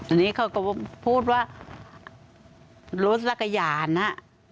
อันนี้เขาก็พูดว่ารถจักรยานน่ะ